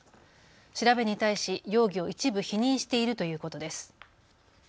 調べに対し容疑を一部否認しているということです。